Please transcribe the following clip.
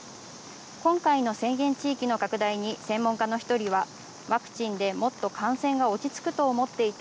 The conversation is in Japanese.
今回の宣言地域の拡大に専門家の１人は、ワクチンでもっと感染が落ち着くと思っていた。